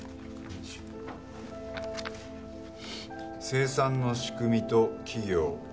「生産の仕組みと企業」